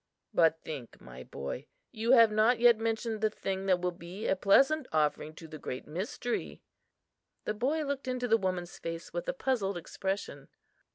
"But think, my boy, you have not yet mentioned the thing that will be a pleasant offering to the Great Mystery." The boy looked into the woman's face with a puzzled expression.